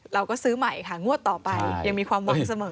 เราก็ซื้อใหม่ค่ะงวดต่อไปยังมีความหวังเสมอ